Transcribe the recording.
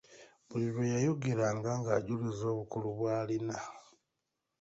Buli lwe yayogeranga ng'ajuliza obukulu bw'alina.